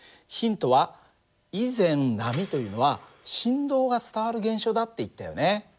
ヒントは以前波というのは振動が伝わる現象だって言ったよね。